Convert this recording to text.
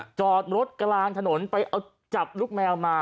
จอดรถกลางถนนไปเอาจับลูกแมวมา